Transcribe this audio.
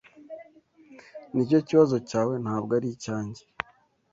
Nicyo kibazo cyawe, ntabwo ari icyanjye.